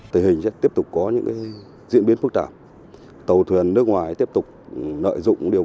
tình hình sẽ tiếp tục có những diễn biến phức tạp tàu thuyền nước ngoài tiếp tục nợ dụng điều